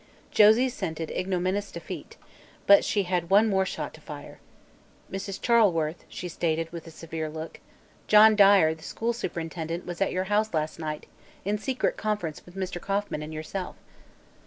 Josie scented ignominous defeat, but she had one more shot to fire. "Mrs. Charleworth," she stated, with a severe look, "John Dyer, the school superintendent, was at your house last night, in secret conference with Mr. Kauffman and yourself."